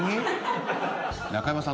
中山さん